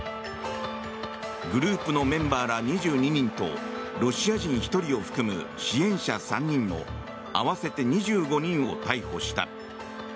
グループのメンバーら２２人とロシア人１人を含む支援者３人の合わせて２５人を逮捕した。